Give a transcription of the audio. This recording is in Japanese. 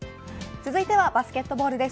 続いてはバスケットボールです。